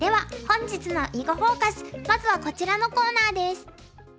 まずはこちらのコーナーです。